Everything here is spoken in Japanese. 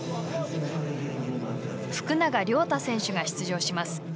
福永凌太選手が出場します。